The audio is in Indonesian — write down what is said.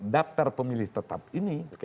daptar pemilih tetap ini